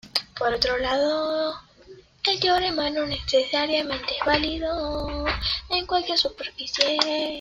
Por otro lado, el teorema no necesariamente es válido en cualquier superficie.